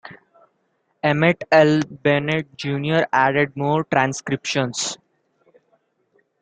Emmett L. Bennett, Junior added more transcriptions.